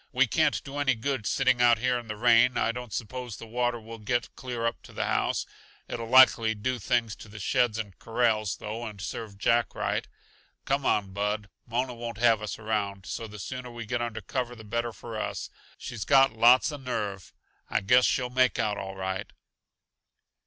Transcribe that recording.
"We can't do any good sitting out here in the rain. I don't suppose the water will get clear up to the house; it'll likely do things to the sheds and corrals, though, and serve Jack right. Come on, Bud. Mona won't have us around, so the sooner we get under cover the better for us. She's got lots uh nerve; I guess she'll make out all right."